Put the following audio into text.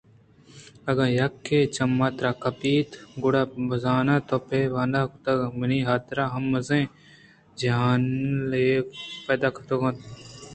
اگاں یکے ءِ چم ترا کپت اَنت گُڑابزان تو پہ وتا نہ کُت منی حاتراہم مزنیں جنجالے پیداکُت کنئے